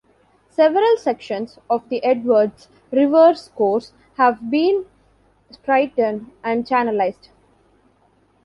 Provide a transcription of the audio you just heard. Several sections of the Edwards River's course have been straightened and channelized.